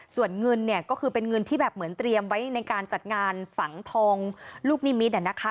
ส่วนเงินเนี่ยก็คือเป็นเงินที่แบบเหมือนเตรียมไว้ในการจัดงานฝังทองลูกนิมิตร